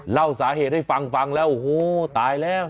เล่าสาเหตุให้ฟังฟังแล้วโอ้โหตายแล้ว